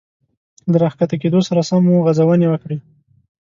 له را ښکته کېدو سره سم مو غځونې وکړې.